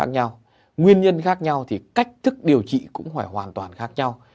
nguyên nhân khác nhau thì cách thức điều trị cũng phải hoàn toàn khác nhau